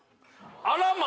あらま！